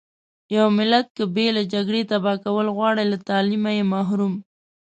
يو ملت که بې له جګړې تبا کول غواړٸ له تعليمه يې محروم .